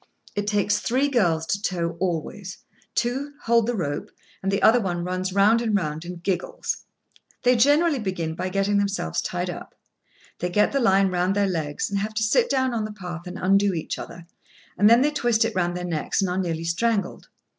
It takes three girls to tow always; two hold the rope, and the other one runs round and round, and giggles. They generally begin by getting themselves tied up. They get the line round their legs, and have to sit down on the path and undo each other, and then they twist it round their necks, and are nearly strangled.